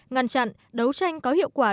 ngăn chặn đấu tranh có hiệu quả